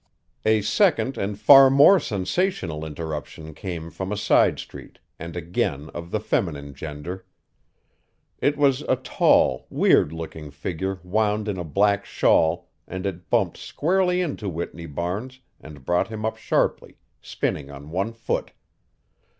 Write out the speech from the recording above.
A second and far more sensational interruption came from a side street, and again of the feminine gender. It was a tall, weird looking figure wound in a black shawl and it bumped squarely into Whitney Barnes and brought him up sharply, spinning on one foot.